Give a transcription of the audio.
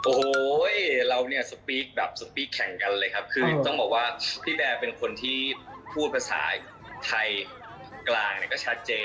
โอ้โหเราสปีกแข่งกันเลยครับคือต้องบอกว่าพี่แบร์เป็นคนที่พูดภาษาไทยกลางก็ชัดเจน